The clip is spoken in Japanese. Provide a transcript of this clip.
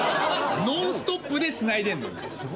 ノンストップでつないでんのよ。